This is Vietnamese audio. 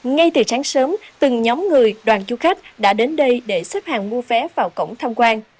ngay từ sáng sớm từng nhóm người đoàn du khách đã đến đây để xếp hàng mua vé vào cổng tham quan